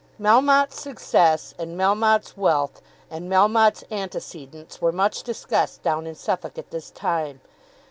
Melmotte's success, and Melmotte's wealth, and Melmotte's antecedents were much discussed down in Suffolk at this time.